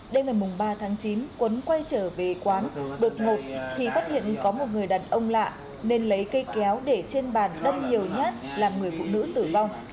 đêm ngày ba tháng chín quấn quay trở về quán đột ngột thì phát hiện có một người đàn ông lạ nên lấy cây kéo để trên bàn đâm nhiều nhát làm người phụ nữ tử vong